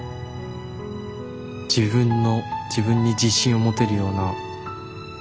自分の自分に自信を持てるような。